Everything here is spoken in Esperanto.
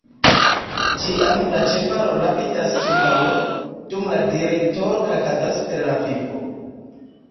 Ĉiam la ĉevalo rapidas ĉirkaŭe, dum la direktoro klakadas per la vipo.